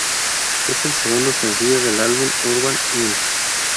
Es el segundo sencillo del álbum Urban Hymns.